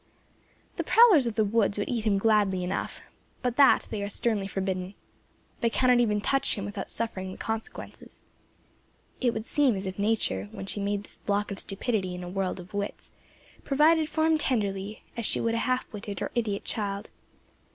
The prowlers of the woods would eat him gladly enough, but that they are sternly forbidden. They cannot even touch him without suffering the consequences. It would seem as if Nature, when she made this block of stupidity in a world of wits, provided for him tenderly, as she would for a half witted or idiot child.